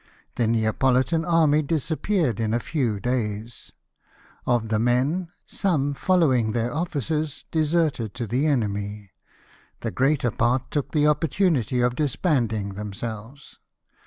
The NeapoHtan army disappeared in a few days ; of the men, some, following their officers, deserted to the enemy. The greater part took the opportunity of disbanding themselves.